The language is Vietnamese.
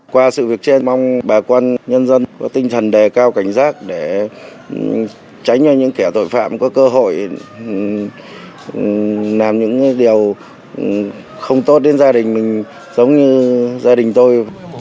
qua sự việc trên mong bà con nhân dân có tinh thần đề cao cảnh giác để tránh cho những kẻ tội phạm có cơ hội làm những điều không tốt đến gia đình mình giống như gia đình tôi